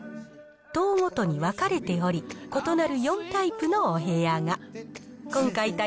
棟ごとに分かれており、異なる４タイプのお部屋が。